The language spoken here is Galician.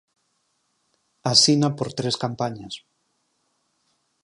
Asina por tres campañas.